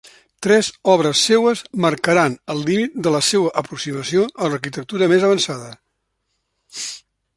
Tres obres seues marcaran els límits de la seua aproximació a l'arquitectura més avançada.